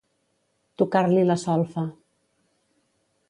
Tocar-li la solfa.